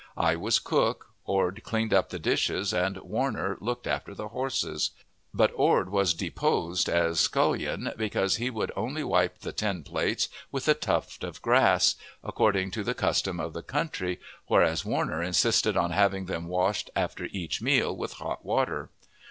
I was cook, Ord cleaned up the dishes, and Warner looked after the horses; but Ord was deposed as scullion because he would only wipe the tin plates with a tuft of grass, according to the custom of the country, whereas Warner insisted on having them washed after each meal with hot water.